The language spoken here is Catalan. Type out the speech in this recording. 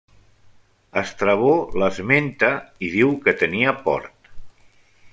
Estrabó l'esmenta i diu que tenia port.